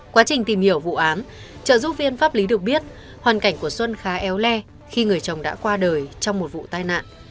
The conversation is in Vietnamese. quá trình tìm hiểu vụ án trợ giúp viên pháp lý được biết hoàn cảnh của xuân khá éo le khi người chồng đã qua đời trong một vụ tai nạn